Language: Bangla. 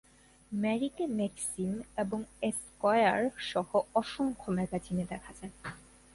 ম্যারিকে "ম্যাক্সিম" এবং "এস্কোয়ার" সহ অসংখ্য ম্যাগাজিনে দেখা যায়।